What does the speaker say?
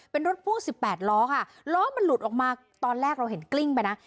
เป็นรถพ่วง๑๘ล้อค่ะล้อมันหลุดออกมาตอนแรกเราเห็นกลิ้งไปนะ